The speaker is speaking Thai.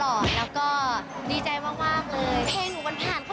แล้วก็ดีใจมากเลย